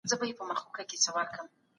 لوړ خطر پروسیجرونه ځانګړي مهارت غواړي.